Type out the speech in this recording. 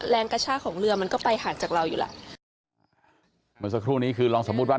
แรงกระชากของเรือมันก็ไปห่างจากเราอยู่แหละเหมือนสักครู่นี้คือลองสมมุติว่า